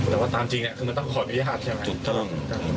แต่ว่าตามจริงเนี้ยคือมันต้องขอพิทธิภาพใช่ไหมจุดต้อง